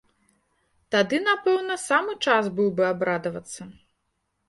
Тады, напэўна, самы час быў бы абрадавацца!